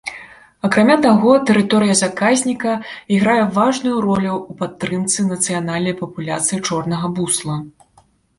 Акрамя таго, тэрыторыя заказніка іграе важную ролю ў падтрымцы нацыянальнай папуляцыі чорнага бусла.